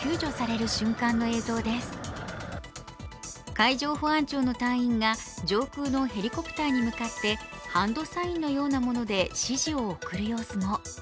海上保安庁の隊員が上空のヘリコプターに向かってハンドサインのようなもので指示を送る様子も。